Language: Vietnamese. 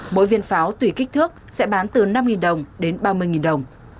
mỗi viên pháo tùy kích thước sẽ bán từ năm đồng đến ba mươi đồng